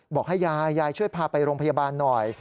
บอกให้ยายยายช่วยพาไปโรงพยาบาลหน่อย